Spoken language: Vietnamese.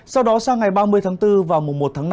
sau đó sang ngày ba mươi tháng bốn và mùa một tháng năm